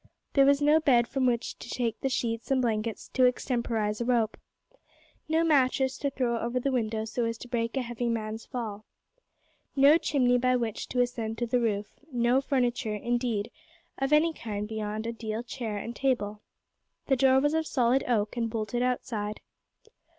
There was no bed from which to take the sheets and blankets to extemporise a rope. No mattress to throw over the window so as to break a heavy man's fall. No chimney by which to ascend to the roof, no furniture, indeed, of any kind beyond a deal chair and table. The door was of solid oak and bolted outside.